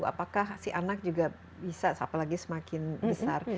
apakah si anak juga bisa apalagi semakin besar